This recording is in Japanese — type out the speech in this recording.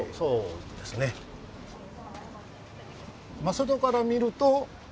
外から見ると。